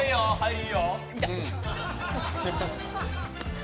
いいよ。